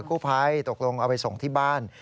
กู้ภัยตกลงเอาไปส่งที่บ้าน